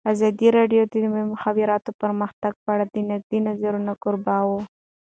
ازادي راډیو د د مخابراتو پرمختګ په اړه د نقدي نظرونو کوربه وه.